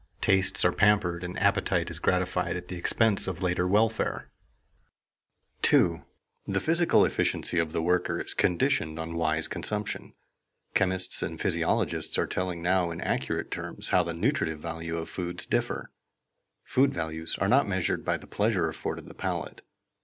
Tastes are pampered and appetite is gratified at the expense of later welfare. [Sidenote: Choice of foods] 2. The physical efficiency of the worker is conditioned on wise consumption. Chemists and physiologists are telling now in accurate terms how the nutritive values of foods differ. Food values are not measured by the pleasure afforded the palate.